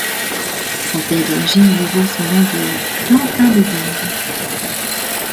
Son pays d'origine lui vaut son nom de plantain des Indes.